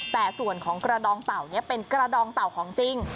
แต่ส่วนของกระดองเต่านี้เป็นกระดองเต่าของจริง